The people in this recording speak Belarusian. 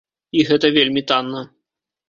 І гэта вельмі танна.